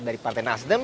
dari partai nasdem